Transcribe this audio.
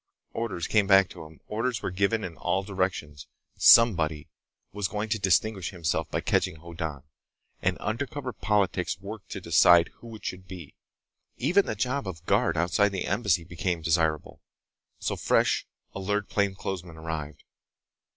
Orders came back to him. Orders were given in all directions. Somebody was going to distinguish himself by catching Hoddan, and undercover politics worked to decide who it should be. Even the job of guard outside the Embassy became desirable. So fresh, alert plainclothesmen arrived.